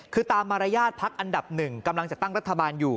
คือตามมารยาทพักอันดับหนึ่งกำลังจะตั้งรัฐบาลอยู่